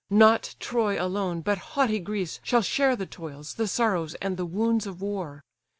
Not Troy alone, but haughty Greece, shall share The toils, the sorrows, and the wounds of war.